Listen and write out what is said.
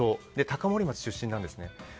高森町出身なんです。